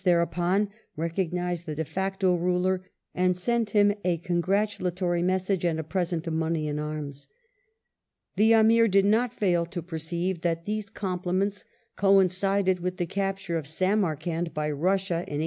1881] THE AFGHAN QUESTION 467 upon, recognized the de facto ruler and sent him a congratulatory message and a present of money and arms. The Amir did not fail to perceive that these compliments coincided with the capture of Samarkand by Russia (1868).